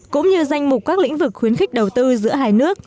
cũng như danh mục các lĩnh vực khuyến khích đầu tư giữa hai nước